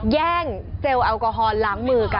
แย่งเจลแอลกอฮอลล้างมือกัน